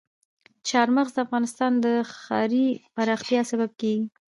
چار مغز د افغانستان د ښاري پراختیا سبب کېږي.